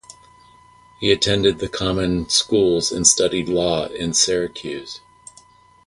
He attended the common schools and studied law in Syracuse.